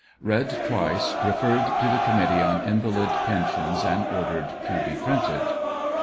February 16, 1880. Read twice, referred to the Committee on Invalid Pensions, and ordered to be printed.